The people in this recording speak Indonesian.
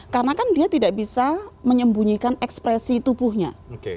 karena kan dia tidak bisa menyembunyikan ekspresi tubuhnya